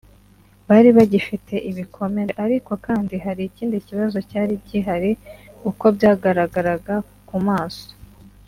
Bari bagifite ibikomere ariko kandi hari ikindi kibazo cyari gihari uko byagaragaraga ku maso